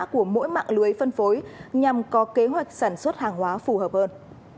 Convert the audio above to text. của mỗi mạng lưới phân phối nhằm có kế hoạch sản xuất hàng hóa phù hợp hơn